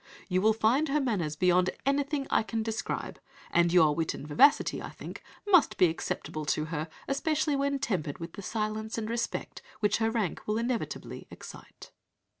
You will find her manners beyond anything I can describe; and your wit and vivacity, I think, must be acceptable to her, especially when tempered with the silence and respect which her rank will inevitably excite."